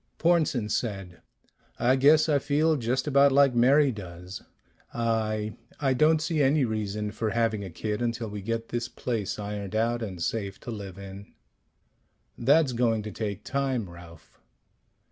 Pornsen said, "I guess I feel just about like Mary does. I I don't see any reason for having a kid until we get this place ironed out and safe to live in." "That's going to take time, Ralph."